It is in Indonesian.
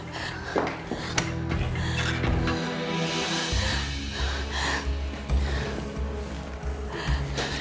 tidak ada pihak di rumah